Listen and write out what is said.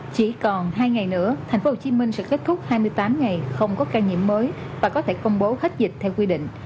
chỉ còn hai ngày nữa tp hcm sẽ kết thúc hai mươi tám ngày không có ca nhiễm mới và có thể công bố hết dịch theo quy định